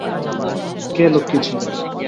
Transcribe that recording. কে লক্ষ্মী ছেলে?